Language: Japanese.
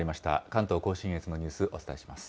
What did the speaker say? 関東甲信越のニュース、お伝えします。